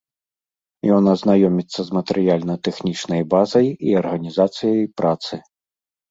Ён азнаёміцца з матэрыяльна-тэхнічнай базай і арганізацыяй працы.